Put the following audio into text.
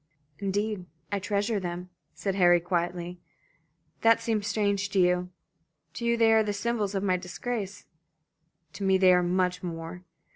"Indeed, I treasure them," said Harry, quietly. "That seems strange to you. To you they are the symbols of my disgrace. To me they are much more.